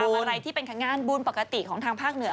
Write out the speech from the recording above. อะไรที่เป็นงานบุญปกติของทางภาคเหนือ